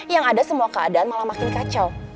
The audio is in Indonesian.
yang ada semua keadaan malah makin kacau